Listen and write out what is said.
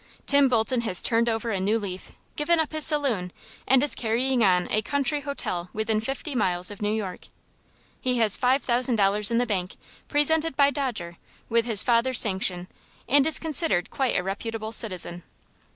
Tim Bolton has turned over a new leaf, given up his saloon, and is carrying on a country hotel within fifty miles of New York. He has five thousand dollars in the bank, presented by Dodger, with his father's sanction, and is considered quite a reputable citizen.